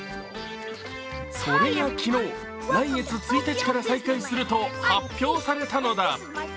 それが昨日、来月１日から再開すると発表されたのだ。